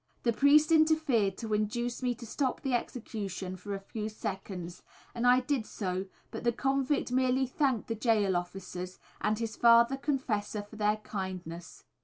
The priest interfered to induce me to stop the execution for a few seconds, and I did so, but the convict merely thanked the gaol officials and his Father Confessor for their kindness.